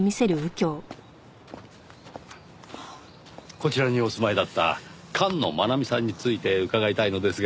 こちらにお住まいだった菅野茉奈美さんについて伺いたいのですが。